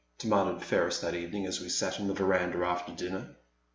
demanded Ferris that evening as we sat on the veranda after dinner.